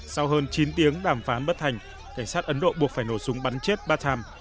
sau hơn chín tiếng đàm phán bất hành cảnh sát ấn độ buộc phải nổ súng bắn chết bhattam